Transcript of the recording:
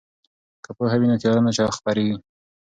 که پوهه وي نو تیاره نه خپریږي.